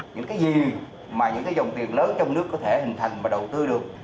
những cái gì mà những cái dòng tiền lớn trong nước có thể hình thành và đầu tư được